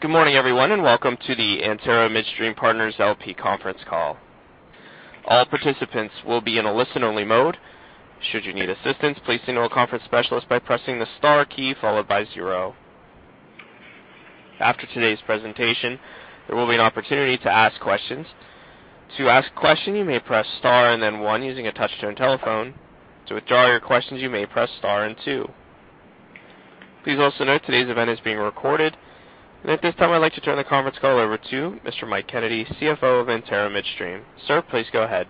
Good morning, everyone, and welcome to the Antero Midstream Partners LP conference call. All participants will be in a listen-only mode. Should you need assistance, please signal a conference specialist by pressing the star key followed by zero. After today's presentation, there will be an opportunity to ask questions. To ask a question, you may press star and then one using a touch-tone telephone. To withdraw your questions, you may press star and two. Please also note today's event is being recorded. At this time, I'd like to turn the conference call over to Mr. Michael Kennedy, CFO of Antero Midstream. Sir, please go ahead.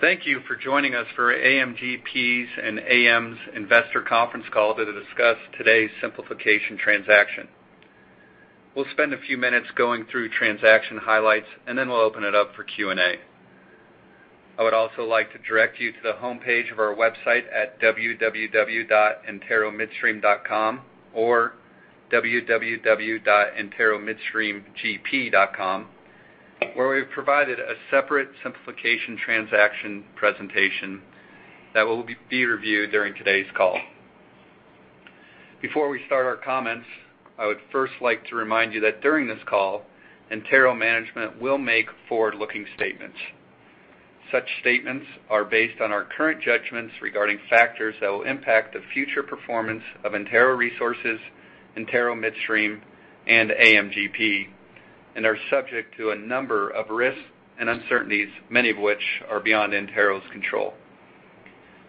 Thank you for joining us for AMGP's and AM's Investor Conference Call to discuss today's simplification transaction. We'll spend a few minutes going through transaction highlights, then we'll open it up for Q&A. I would also like to direct you to the homepage of our website at www.anteromidstream.com or www.anteromidstreamgp.com, where we've provided a separate simplification transaction presentation that will be reviewed during today's call. Before we start our comments, I would first like to remind you that during this call, Antero management will make forward-looking statements. Such statements are based on our current judgments regarding factors that will impact the future performance of Antero Resources, Antero Midstream, and AMGP, and are subject to a number of risks and uncertainties, many of which are beyond Antero's control.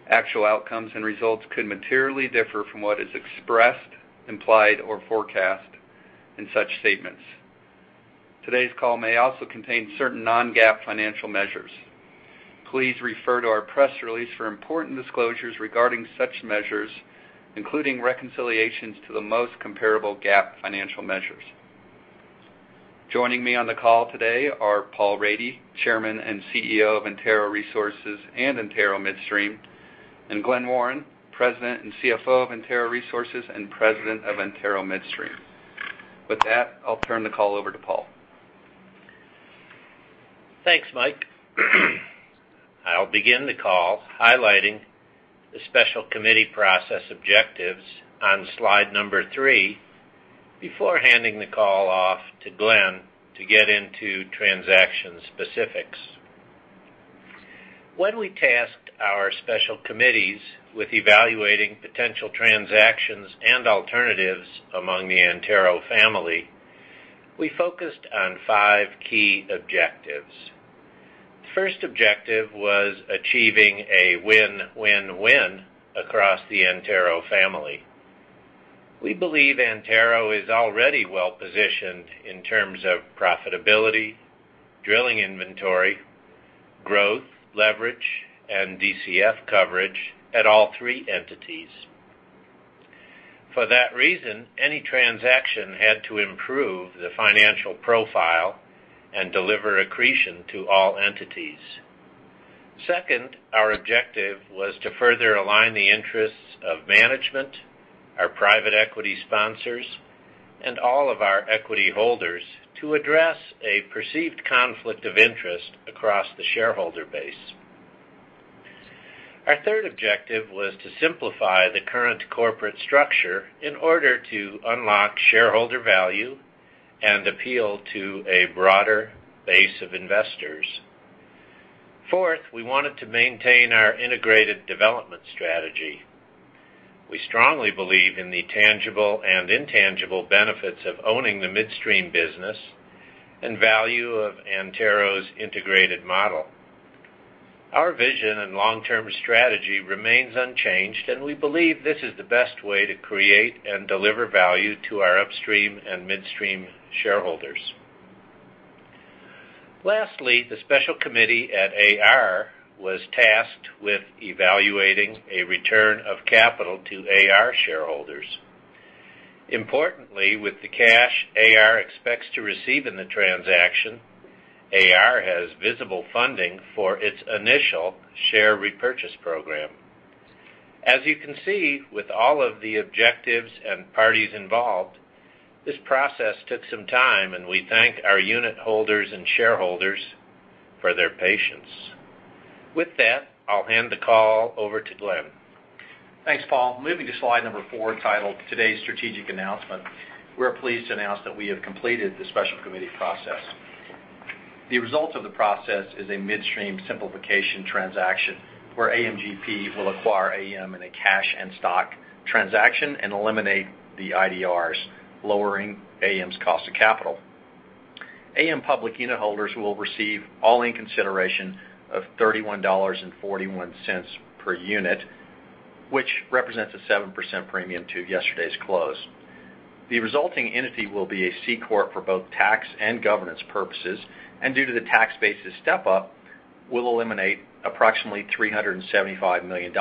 Actual outcomes and results could materially differ from what is expressed, implied, or forecast in such statements. Today's call may also contain certain non-GAAP financial measures. Please refer to our press release for important disclosures regarding such measures, including reconciliations to the most comparable GAAP financial measures. Joining me on the call today are Paul Rady, Chairman and CEO of Antero Resources and Antero Midstream, and Glen Warren, President and CFO of Antero Resources and President of Antero Midstream. With that, I'll turn the call over to Paul. Thanks, Mike. I'll begin the call highlighting the special committee process objectives on slide number three before handing the call off to Glen to get into transaction specifics. When we tasked our special committees with evaluating potential transactions and alternatives among the Antero family, we focused on five key objectives. The first objective was achieving a win-win-win across the Antero family. We believe Antero is already well-positioned in terms of profitability, drilling inventory, growth, leverage, and DCF coverage at all three entities. For that reason, any transaction had to improve the financial profile and deliver accretion to all entities. Second, our objective was to further align the interests of management, our private equity sponsors, and all of our equity holders to address a perceived conflict of interest across the shareholder base. Our third objective was to simplify the current corporate structure in order to unlock shareholder value and appeal to a broader base of investors. Fourth, we wanted to maintain our integrated development strategy. We strongly believe in the tangible and intangible benefits of owning the midstream business and value of Antero's integrated model. Our vision and long-term strategy remains unchanged, and we believe this is the best way to create and deliver value to our upstream and midstream shareholders. Lastly, the special committee at AR was tasked with evaluating a return of capital to AR shareholders. Importantly, with the cash AR expects to receive in the transaction, AR has visible funding for its initial share repurchase program. As you can see, with all of the objectives and parties involved, this process took some time, and we thank our unit holders and shareholders for their patience. With that, I'll hand the call over to Glen. Thanks, Paul. Moving to slide number four, titled Today's Strategic Announcement, we're pleased to announce that we have completed the special committee process. The result of the process is a midstream simplification transaction where AMGP will acquire AM in a cash and stock transaction and eliminate the IDRs, lowering AM's cost of capital. AM public unit holders will receive all in consideration of $31.41 per unit, which represents a 7% premium to yesterday's close. The resulting entity will be a C corp for both tax and governance purposes, and due to the tax basis step-up, will eliminate approximately $375 million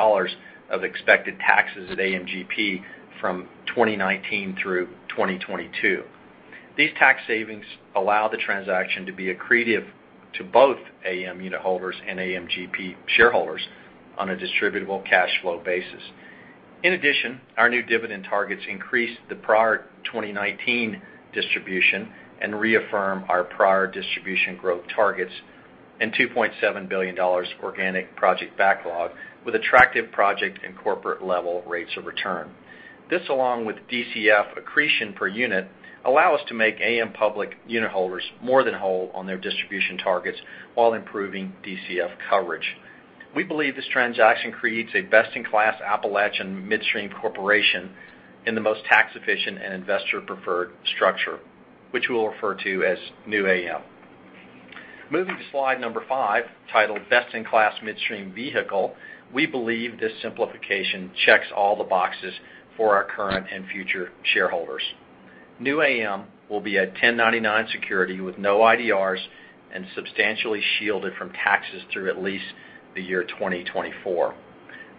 of expected taxes at AMGP from 2019 through 2022. These tax savings allow the transaction to be accretive to both AM unit holders and AMGP shareholders on a distributable cash flow basis. In addition, our new dividend targets increase the prior 2019 distribution and reaffirm our prior distribution growth targets. $2.7 billion organic project backlog with attractive project and corporate level rates of return. This, along with DCF accretion per unit, allow us to make AM public unitholders more than whole on their distribution targets while improving DCF coverage. We believe this transaction creates a best-in-class Appalachian midstream corporation in the most tax-efficient and investor-preferred structure, which we'll refer to as new AM. Moving to slide number five, titled Best-in-Class Midstream Vehicle, we believe this simplification checks all the boxes for our current and future shareholders. New AM will be a 1099 security with no IDRs and substantially shielded from taxes through at least the year 2024.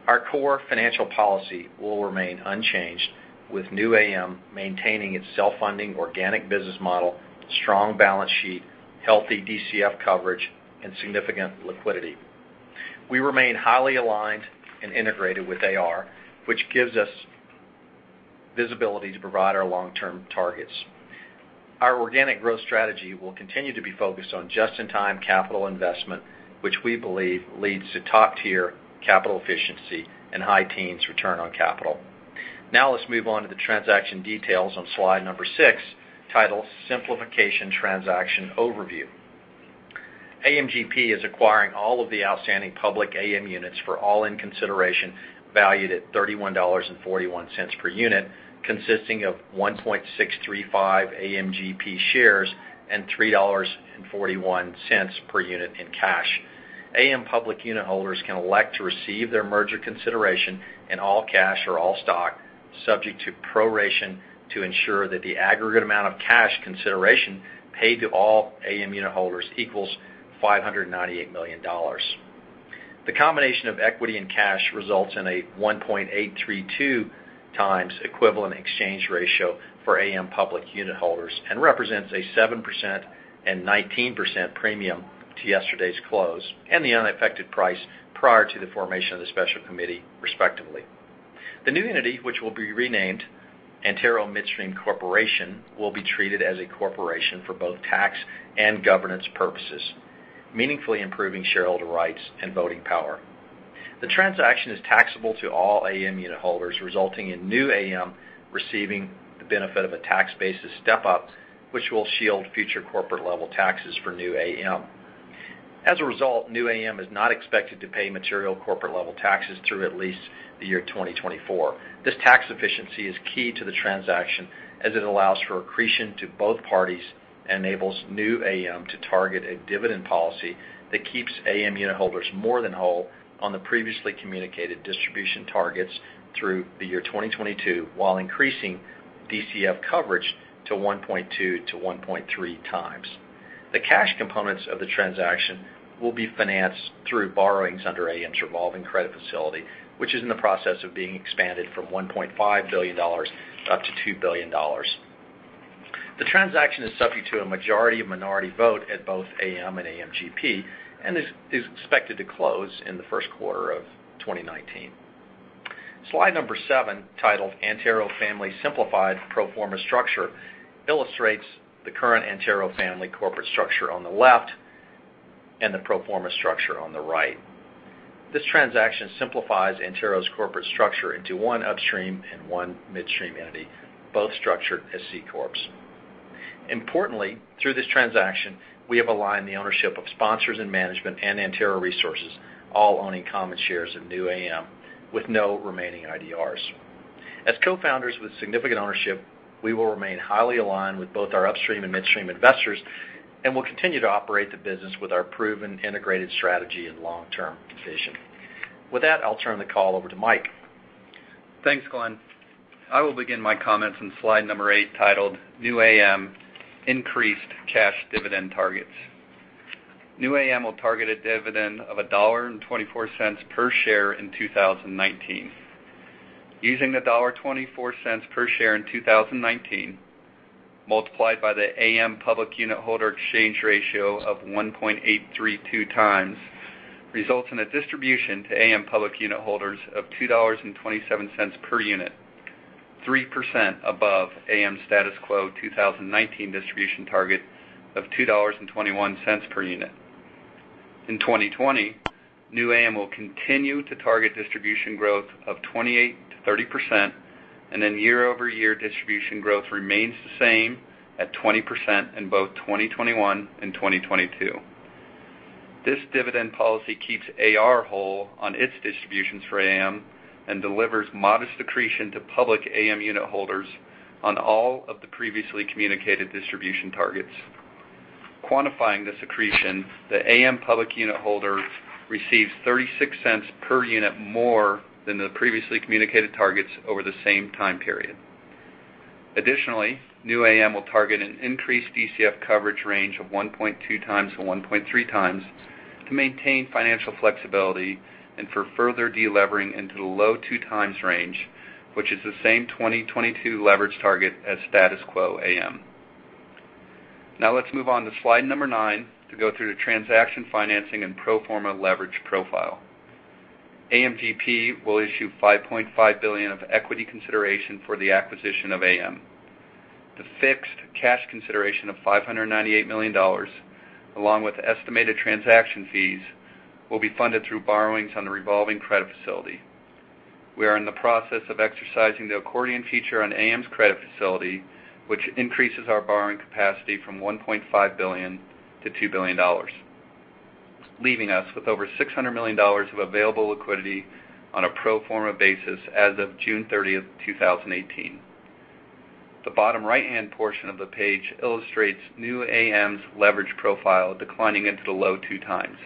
Our core financial policy will remain unchanged, with new AM maintaining its self-funding organic business model, strong balance sheet, healthy DCF coverage, and significant liquidity. We remain highly aligned and integrated with AR, which gives us visibility to provide our long-term targets. Our organic growth strategy will continue to be focused on just-in-time capital investment, which we believe leads to top-tier capital efficiency and high teens return on capital. Now let's move on to the transaction details on slide number six, titled Simplification Transaction Overview. AMGP is acquiring all of the outstanding public AM units for all in consideration valued at $31.41 per unit, consisting of 1.635 AMGP shares and $3.41 per unit in cash. AM public unitholders can elect to receive their merger consideration in all cash or all stock, subject to proration to ensure that the aggregate amount of cash consideration paid to all AM unitholders equals $598 million. The combination of equity and cash results in a 1.832 times equivalent exchange ratio for AM public unitholders and represents a 7% and 19% premium to yesterday's close and the unaffected price prior to the formation of the special committee, respectively. The new entity, which will be renamed Antero Midstream Corporation, will be treated as a corporation for both tax and governance purposes, meaningfully improving shareholder rights and voting power. The transaction is taxable to all AM unitholders, resulting in new AM receiving the benefit of a tax basis step-up, which will shield future corporate level taxes for new AM. As a result, new AM is not expected to pay material corporate level taxes through at least the year 2024. This tax efficiency is key to the transaction, as it allows for accretion to both parties and enables new AM to target a dividend policy that keeps AM unitholders more than whole on the previously communicated distribution targets through the year 2022, while increasing DCF coverage to 1.2 to 1.3 times. The cash components of the transaction will be financed through borrowings under AM's revolving credit facility, which is in the process of being expanded from $1.5 billion up to $2 billion. The transaction is subject to a majority of minority vote at both AM and AMGP and is expected to close in the first quarter of 2019. Slide number seven, titled Antero Family Simplified Pro Forma Structure, illustrates the current Antero family corporate structure on the left and the pro forma structure on the right. This transaction simplifies Antero's corporate structure into one upstream and one midstream entity, both structured as C corps. Importantly, through this transaction, we have aligned the ownership of sponsors and management and Antero Resources, all owning common shares of new AM with no remaining IDRs. As co-founders with significant ownership, we will remain highly aligned with both our upstream and midstream investors and will continue to operate the business with our proven integrated strategy and long-term vision. With that, I'll turn the call over to Mike. Thanks, Glen. I will begin my comments on slide number eight, titled New AM Increased Cash Dividend Targets. New AM will target a dividend of $1.24 per share in 2019. Using the $1.24 per share in 2019, multiplied by the AM public unitholder exchange ratio of 1.832 times, results in a distribution to AM public unitholders of $2.27 per unit, 3% above AM status quo 2019 distribution target of $2.21 per unit. In 2020, new AM will continue to target distribution growth of 28%-30%, year-over-year distribution growth remains the same at 20% in both 2021 and 2022. This dividend policy keeps AR whole on its distributions for AM and delivers modest accretion to public AM unitholders on all of the previously communicated distribution targets. Quantifying this accretion, the AM public unitholder receives $0.36 per unit more than the previously communicated targets over the same time period. Additionally, new AM will target an increased DCF coverage range of 1.2 times-1.3 times to maintain financial flexibility and for further de-levering into the low two times range, which is the same 2022 leverage target as status quo AM. Let's move on to slide number nine to go through the transaction financing and pro forma leverage profile. AMGP will issue $5.5 billion of equity consideration for the acquisition of AM. The fixed cash consideration of $598 million, along with estimated transaction fees, will be funded through borrowings on the revolving credit facility. We are in the process of exercising the accordion feature on AM's credit facility, which increases our borrowing capacity from $1.5 billion-$2 billion, leaving us with over $600 million of available liquidity on a pro forma basis as of June 30th, 2018. The bottom right-hand portion of the page illustrates new AM's leverage profile declining into the low two times.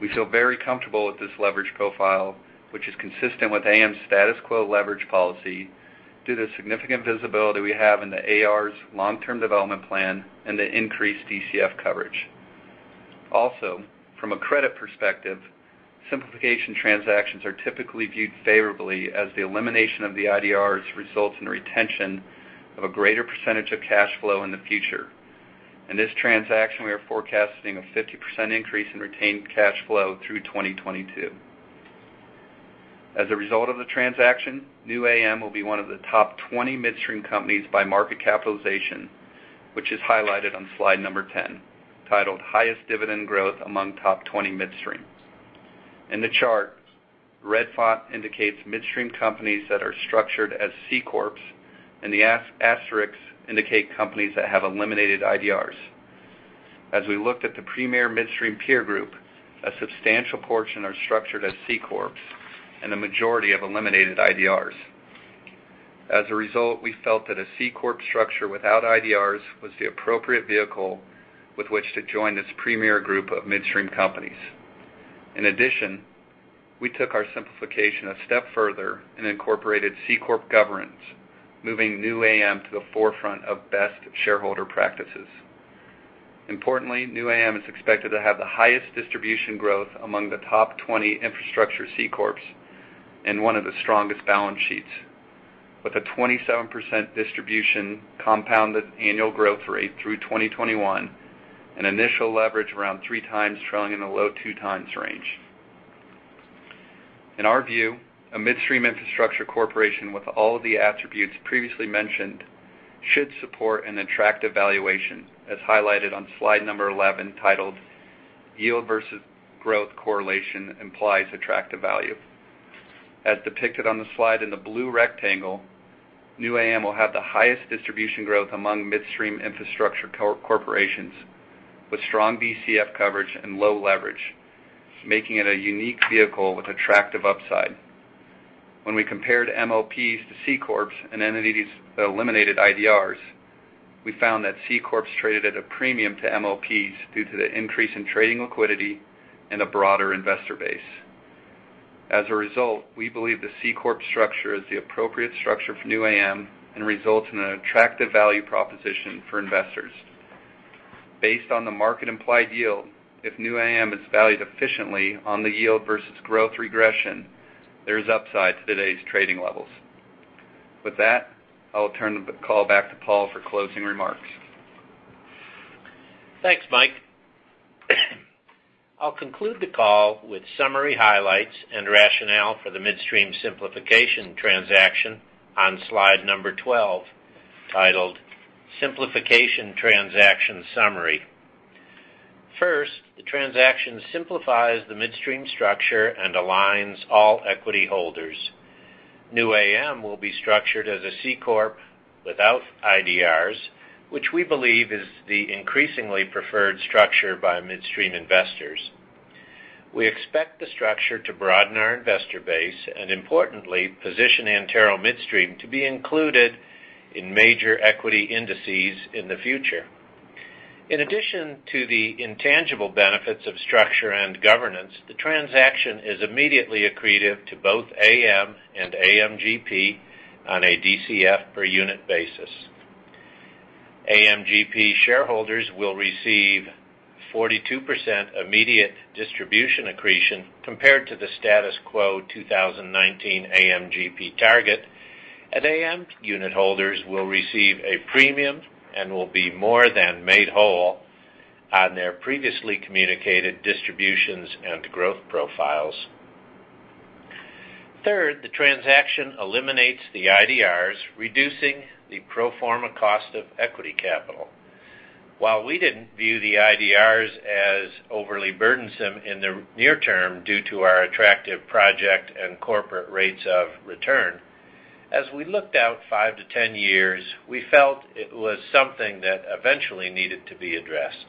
We feel very comfortable with this leverage profile, which is consistent with AM's status quo leverage policy, due to the significant visibility we have in the AR's long-term development plan and the increased DCF coverage. Also, from a credit perspective, simplification transactions are typically viewed favorably as the elimination of the IDRs results in a retention of a greater percentage of cash flow in the future. In this transaction, we are forecasting a 50% increase in retained cash flow through 2022. As a result of the transaction, new AM will be one of the top 20 midstream companies by market capitalization, which is highlighted on slide number 10, titled Highest Dividend Growth Among Top 20 Midstream. In the chart, red font indicates midstream companies that are structured as C corps, and the asterisks indicate companies that have eliminated IDRs. As we looked at the premier midstream peer group, a substantial portion are structured as C corps, and the majority have eliminated IDRs. As a result, we felt that a C corp structure without IDRs was the appropriate vehicle with which to join this premier group of midstream companies. In addition, we took our simplification a step further and incorporated C corp governance, moving new AM to the forefront of best shareholder practices. Importantly, new AM is expected to have the highest distribution growth among the top 20 infrastructure C corps and one of the strongest balance sheets. With a 27% distribution compounded annual growth rate through 2021 and initial leverage around three times trailing in the low two times range. In our view, a midstream infrastructure corporation with all of the attributes previously mentioned should support an attractive valuation, as highlighted on slide number 11, titled Yield versus Growth Correlation Implies Attractive Value. As depicted on the slide in the blue rectangle, new AM will have the highest distribution growth among midstream infrastructure corporations with strong DCF coverage and low leverage, making it a unique vehicle with attractive upside. When we compared MLPs to C corps and entities that eliminated IDRs, we found that C corps traded at a premium to MLPs due to the increase in trading liquidity and a broader investor base. As a result, we believe the C corp structure is the appropriate structure for new AM and results in an attractive value proposition for investors. Based on the market-implied yield, if new AM is valued efficiently on the yield versus growth regression, there is upside to today's trading levels. With that, I will turn the call back to Paul for closing remarks. Thanks, Mike. I'll conclude the call with summary highlights and rationale for the midstream simplification transaction on slide number 12, titled Simplification Transaction Summary. First, the transaction simplifies the midstream structure and aligns all equity holders. New AM will be structured as a C corp without IDRs, which we believe is the increasingly preferred structure by midstream investors. We expect the structure to broaden our investor base and, importantly, position Antero Midstream to be included in major equity indices in the future. In addition to the intangible benefits of structure and governance, the transaction is immediately accretive to both AM and AMGP on a DCF per unit basis. AMGP shareholders will receive 42% immediate distribution accretion compared to the status quo 2019 AMGP target. At AM, unit holders will receive a premium and will be more than made whole on their previously communicated distributions and growth profiles. Third, the transaction eliminates the IDRs, reducing the pro forma cost of equity capital. While we didn't view the IDRs as overly burdensome in the near term due to our attractive project and corporate rates of return, as we looked out 5 to 10 years, we felt it was something that eventually needed to be addressed.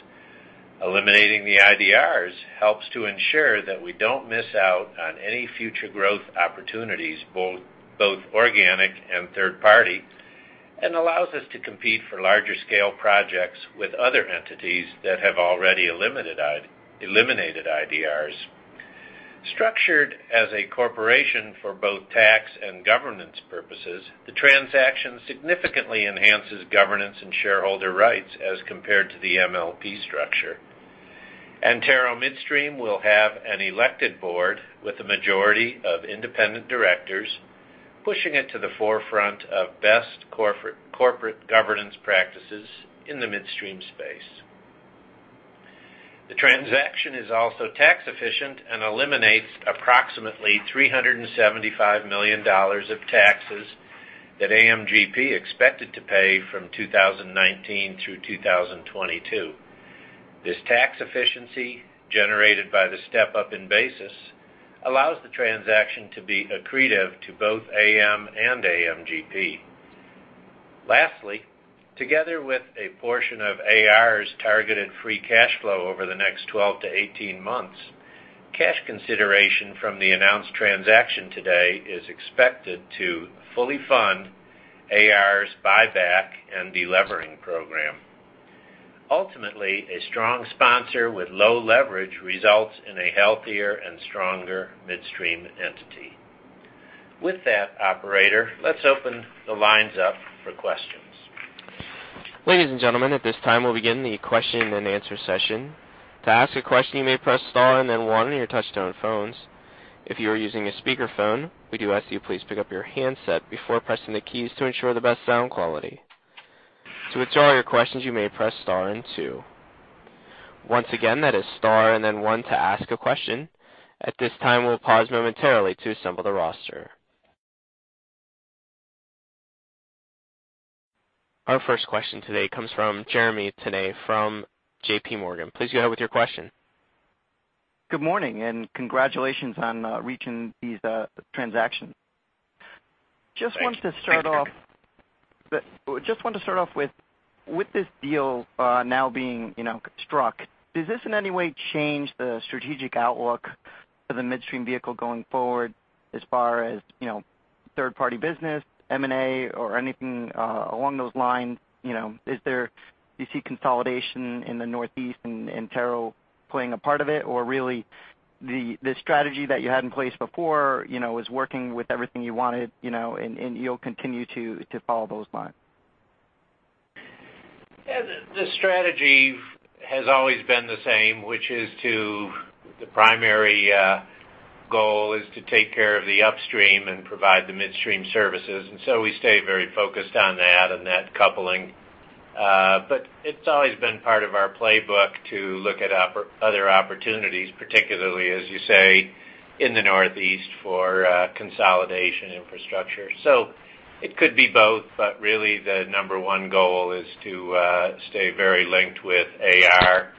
Eliminating the IDRs helps to ensure that we don't miss out on any future growth opportunities, both organic and third party, and allows us to compete for larger-scale projects with other entities that have already eliminated IDRs. Structured as a corporation for both tax and governance purposes, the transaction significantly enhances governance and shareholder rights as compared to the MLP structure. Antero Midstream will have an elected board with the majority of independent directors, pushing it to the forefront of best corporate governance practices in the midstream space. The transaction is also tax efficient and eliminates approximately $375 million of taxes that AMGP expected to pay from 2019 through 2022. This tax efficiency, generated by the step-up in basis, allows the transaction to be accretive to both AM and AMGP. Together with a portion of AR's targeted free cash flow over the next 12 to 18 months, cash consideration from the announced transaction today is expected to fully fund AR's buyback and de-levering program. Ultimately, a strong sponsor with low leverage results in a healthier and stronger midstream entity. With that, operator, let's open the lines up for questions. Ladies and gentlemen, at this time, we'll begin the question and answer session. To ask a question, you may press star and then one on your touch-tone phones. If you are using a speakerphone, we do ask you please pick up your handset before pressing the keys to ensure the best sound quality. To withdraw your questions, you may press star and two. Once again, that is star and then one to ask a question. At this time, we'll pause momentarily to assemble the roster. Our first question today comes from Jeremy Tonet from JPMorgan. Please go ahead with your question. Good morning, congratulations on reaching this transaction. Thanks. Wanted to start off with this deal now being struck, does this in any way change the strategic outlook for the midstream vehicle going forward as far as third-party business, M&A, or anything along those lines? Do you see consolidation in the Northeast and Antero playing a part of it? Really, the strategy that you had in place before is working with everything you wanted, and you'll continue to follow those lines? Yeah. The strategy has always been the same, which is the primary goal is to take care of the upstream and provide the midstream services. We stay very focused on that and that coupling. It's always been part of our playbook to look at other opportunities, particularly, as you say, in the Northeast for consolidation infrastructure. It could be both, but really the number one goal is to stay very linked with AR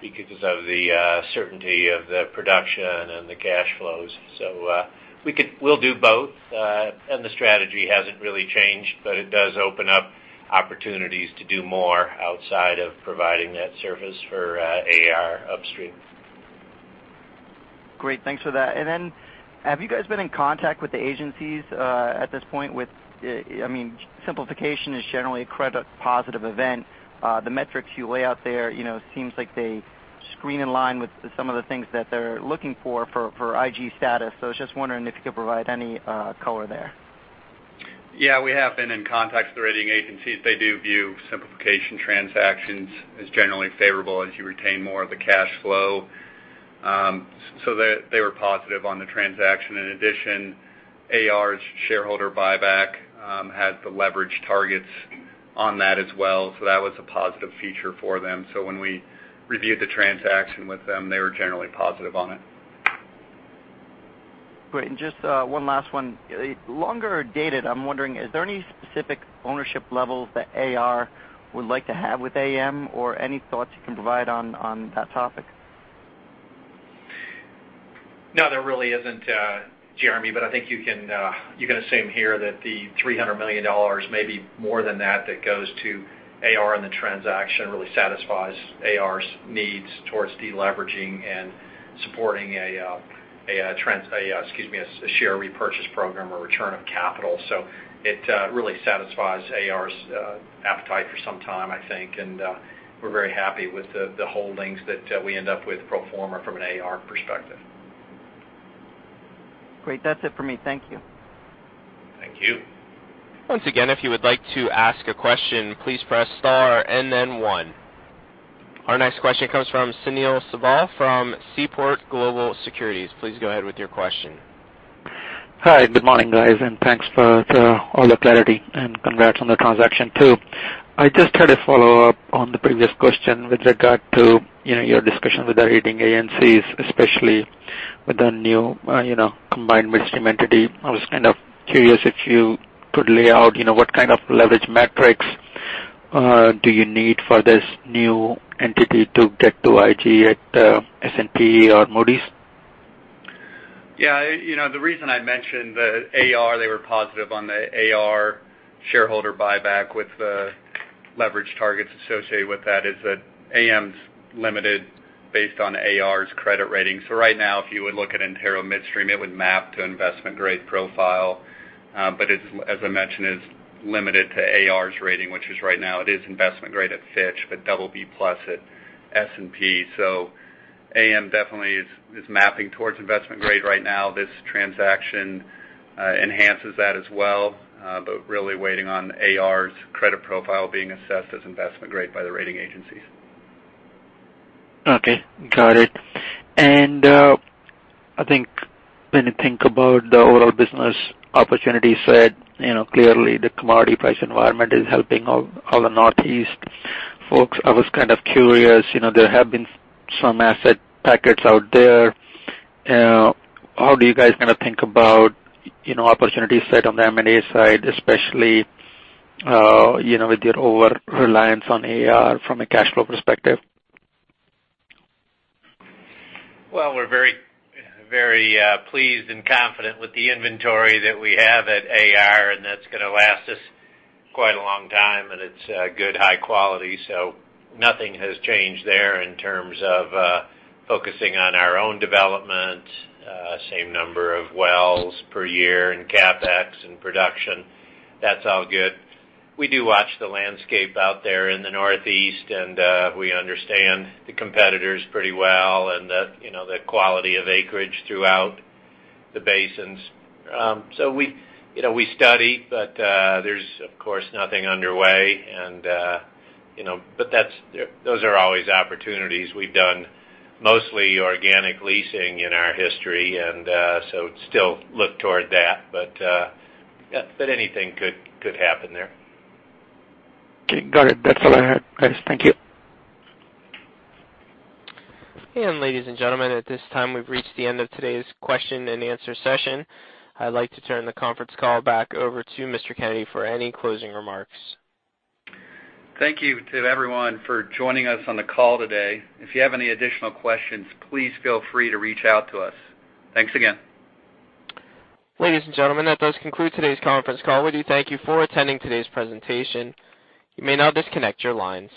because of the certainty of the production and the cash flows. We'll do both, the strategy hasn't really changed, but it does open up opportunities to do more outside of providing that service for AR upstream. Great. Thanks for that. Have you guys been in contact with the agencies at this point? Simplification is generally a credit-positive event. The metrics you lay out there seems like they screen in line with some of the things that they're looking for IG status. I was just wondering if you could provide any color there. Yeah. We have been in contact with the rating agencies. They do view simplification transactions as generally favorable as you retain more of the cash flow. They were positive on the transaction. In addition, AR's shareholder buyback had the leverage targets on that as well, that was a positive feature for them. When we reviewed the transaction with them, they were generally positive on it. Great. Just one last one. Longer dated, I'm wondering, is there any specific ownership levels that AR would like to have with AM or any thoughts you can provide on that topic? No, there really isn't, Jeremy. I think you can assume here that the $300 million, maybe more than that goes to AR in the transaction really satisfies AR's needs towards de-leveraging and supporting a share repurchase program or return of capital. It really satisfies AR's appetite for some time, I think, and we're very happy with the holdings that we end up with pro forma from an AR perspective. Great. That's it for me. Thank you. Thank you. Once again, if you would like to ask a question, please press star and then one. Our next question comes from Sunil Sibal from Seaport Global Securities. Please go ahead with your question. Hi. Good morning, guys. Thanks for all the clarity, and congrats on the transaction, too. I just had a follow-up on the previous question with regard to your discussion with the rating agencies, especially with the new combined midstream entity. I was kind of curious if you could lay out what kind of leverage metrics do you need for this new entity to get to IG at S&P or Moody's? Yeah. The reason I mentioned that AR, they were positive on the AR shareholder buyback with the leverage targets associated with that is that AM's limited based on AR's credit rating. Right now, if you would look at Antero Midstream, it would map to investment-grade profile. As I mentioned, it's limited to AR's rating, which is right now, it is investment grade at Fitch, but double B plus at S&P. AM definitely is mapping towards investment grade right now. This transaction enhances that as well, but really waiting on AR's credit profile being assessed as investment grade by the rating agencies. Okay. Got it. When you think about the overall business opportunity set, clearly the commodity price environment is helping all the Northeast folks. I was kind of curious, there have been some asset packages out there. How do you guys kind of think about opportunity set on the M&A side, especially with your over-reliance on AR from a cash flow perspective? Well, we're very pleased and confident with the inventory that we have at AR, that's going to last us quite a long time, and it's good high quality. Nothing has changed there in terms of focusing on our own development, same number of wells per year in CapEx and production. That's all good. We do watch the landscape out there in the Northeast, we understand the competitors pretty well and the quality of acreage throughout the basins. We study, but there's, of course, nothing underway. Those are always opportunities. We've done mostly organic leasing in our history, still look toward that. Anything could happen there. Okay. Got it. That's all I had, guys. Thank you. Ladies and gentlemen, at this time, we've reached the end of today's question and answer session. I'd like to turn the conference call back over to Mr. Kennedy for any closing remarks. Thank you to everyone for joining us on the call today. If you have any additional questions, please feel free to reach out to us. Thanks again. Ladies and gentlemen, that does conclude today's conference call. We do thank you for attending today's presentation. You may now disconnect your lines.